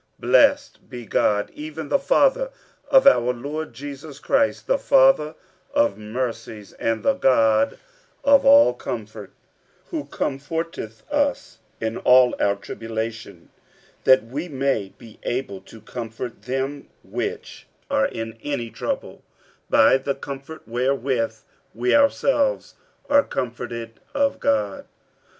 47:001:003 Blessed be God, even the Father of our Lord Jesus Christ, the Father of mercies, and the God of all comfort; 47:001:004 Who comforteth us in all our tribulation, that we may be able to comfort them which are in any trouble, by the comfort wherewith we ourselves are comforted of God.